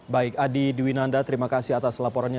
baik adi dwinanda terima kasih atas laporannya